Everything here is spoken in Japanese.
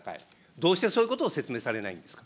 どうしてそういうことを説明されないんですか。